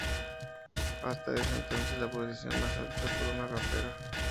Hasta ese entonces la posición más alta por una rapera.